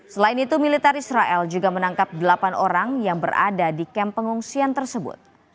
selain itu militer israel juga menangkap delapan orang yang berada di kamp pengungsian tersebut